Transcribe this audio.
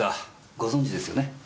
ご存じですよね？